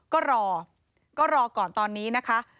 ก็รอก็รอก่อนตอนนี้นะคะ